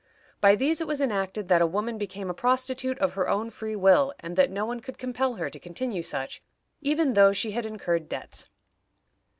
By these it was enacted that a woman became a prostitute of her own free will, and that no one could compel her to continue such, even though she had incurred debts.